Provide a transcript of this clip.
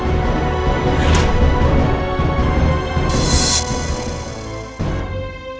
kita mulai sekarang